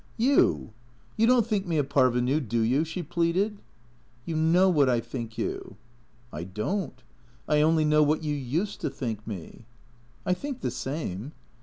You don't think me a parvenu, do you ?" she pleaded. " You know what I think you." " I don't. I only know what you used to think me." " I think the same."